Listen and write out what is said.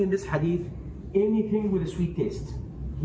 dan artinya dalam hadith ini apa saja yang ada rasa manis dia suka